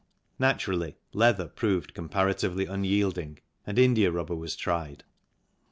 Naturally, leather proved comparatively un yielding and india rubber was tried.